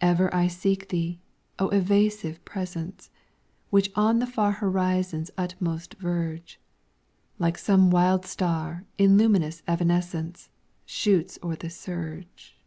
Ever I seek Thee, O evasive Presence, Which on the far horizon's utmost verge, Like some wild star in luminous evanescence, Shoots o'er the surge.